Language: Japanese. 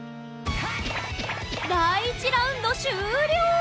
第１ラウンド終了！